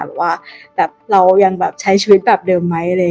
หรือว่าเรายังใช้ชีวิตแบบเดิมไหม